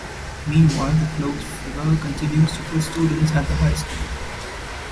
Meanwhile, the cloaked figure continues to kill students at the high school.